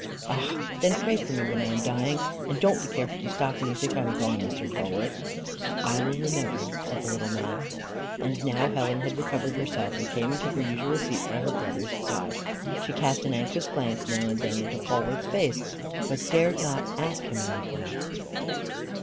"Ah, then, pray for me when I am dying, and don't be careful to stop when you think I am gone, Mr. Polwarth." "I will remember," said the little man. And now Helen had recovered herself, and came and took her usual seat by her brother's side. She cast an anxious glance now and then into Polwarth's face, but dared not ask him anything.